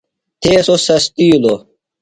تھے سوۡ سستِیلوۡ۔